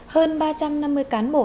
hơn ba trăm năm mươi cán bộ